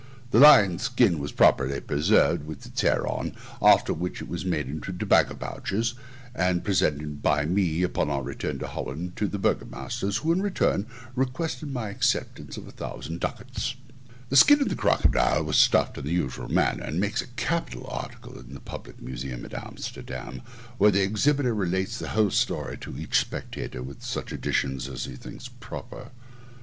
The lion's skin was properly preserved, with its hair on, after which it was made into tobacco pouches, and presented by me, upon our return to Holland, to the burgomasters, who, in return, requested my acceptance of a thousand ducats. The skin of the crocodile was stuffed in the usual manner, and makes a capital article in their public museum at Amsterdam, where the exhibitor relates the whole story to each spectator, with such additions as he thinks proper.